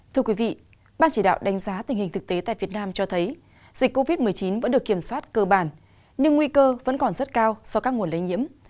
thưa quý vị ban chỉ đạo đánh giá tình hình thực tế tại việt nam cho thấy dịch covid một mươi chín vẫn được kiểm soát cơ bản nhưng nguy cơ vẫn còn rất cao do các nguồn lây nhiễm